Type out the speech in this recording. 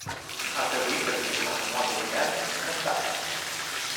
Ar trebui să fim, în mod evident, încântați.